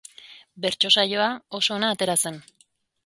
Bertso saioa oso ona atera zen.